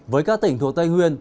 với các tỉnh thuộc tây nguyên